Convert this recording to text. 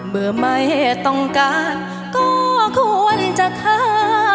เมื่อไม่ต้องการก็ควรจะฆ่า